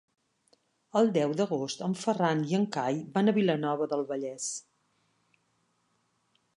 El deu d'agost en Ferran i en Cai van a Vilanova del Vallès.